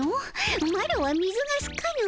マロは水がすかぬ。